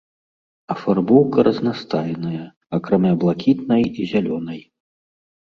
Афарбоўка разнастайная, акрамя блакітнай і зялёнай.